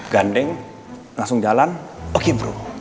ganding langsung jalan oke bro